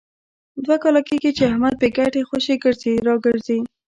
دوه کاله کېږي، چې احمد بې ګټې خوشې ګرځي را ګرځي.